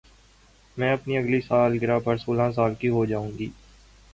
میں اپنی اگلی سالگرہ پر سولہ سال کی ہو جائو گی